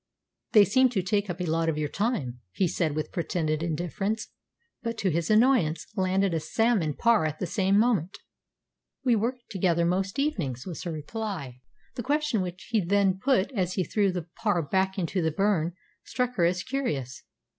"They seem to take up a lot of your time," he said with pretended indifference, but, to his annoyance, landed a salmon parr at the same moment. "We work together most evenings," was her reply. The question which he then put as he threw the parr back into the burn struck her as curious.